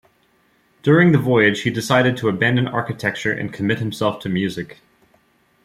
During the voyage he decided to abandon architecture and commit himself to music.